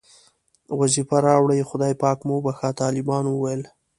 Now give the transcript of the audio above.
وظیفه راوړئ او خدای پاک مو وبښه، طالبانو وویل.